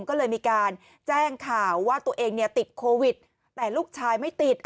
ก็เลยมีการแจ้งข่าวว่าตัวเองเนี่ยติดโควิดแต่ลูกชายไม่ติด